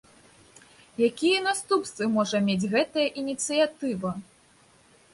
Якія наступствы можа мець гэтая ініцыятыва?